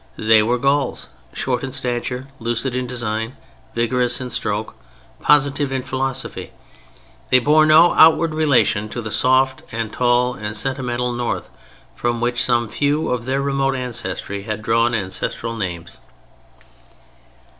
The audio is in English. They were Gauls: short in stature, lucid in design, vigorous in stroke, positive in philosophy. They bore no outward relation to the soft and tall and sentimental North from which some few of their remote ancestry had drawn ancestral names.